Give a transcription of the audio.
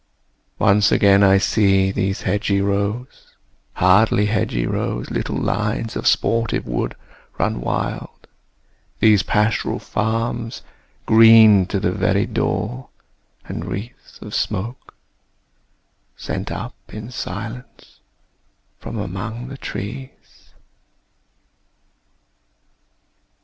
Once again I see These hedge rows, hardly hedge rows, little lines Of sportive wood run wild: these pastoral farms, Green to the very door; and wreaths of smoke Sent up, in silence, from among the trees!